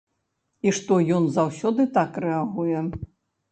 І што ён заўсёды так рэагуе.